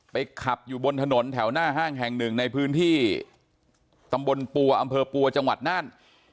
ขับอยู่บนถนนแถวหน้าห้างแห่งหนึ่งในพื้นที่ตำบลปัวอำเภอปัวจังหวัดน่าน